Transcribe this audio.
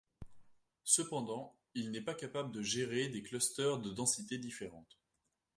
Cependant, il n'est pas capable de gérer des clusters de densités différentes.